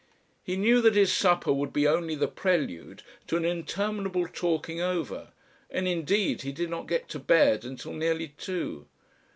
He knew that his supper would be only the prelude to an interminable "talking over," and indeed he did not get to bed until nearly two.